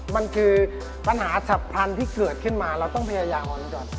มันคือปัญหาฉับพลันที่เกิดขึ้นมาเราต้องพยายามเอาไว้ก่อน